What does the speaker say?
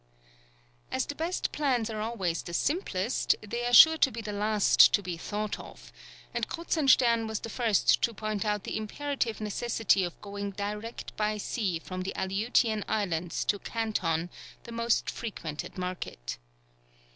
As the best plans are always the simplest they are sure to be the last to be thought of, and Kruzenstern was the first to point out the imperative necessity of going direct by sea from the Aleutian Islands to Canton, the most frequented market.